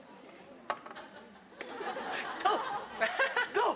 どう？